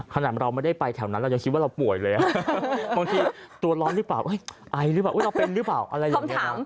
ขนาดเราไม่ได้ไปแถวนั้นเรายังคิดว่าเราป่วยเลยบางทีตัวร้อนรึเปล่าไอรึเปล่าเราเป็นรึเปล่า